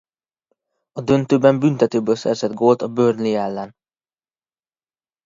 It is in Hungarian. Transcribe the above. A döntőben büntetőből szerzett gólt a Burnley ellen.